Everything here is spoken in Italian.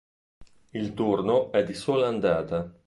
Il turno è di sola andata.